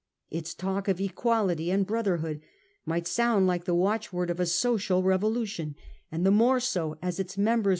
Its talk of equality and brotherhood might sound like the watchword of a social revolu xhe reasons tion, and the more so as its members were